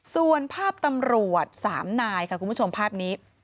ส่วนภาพตำรวจ๓นายค่ะคุณผู้ชมภาพนี้